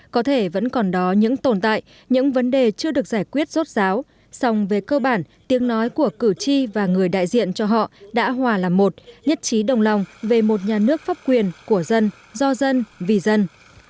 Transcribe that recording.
có thể vẫn còn đó những tồn tại những vấn đề chưa được giải quyết rốt ráo song về cơ bản tiếng nói của cử tri và người đại diện cho họ đã hòa là một nhất trí đồng lòng về một nhà nước pháp quyền của dân do dân vì dân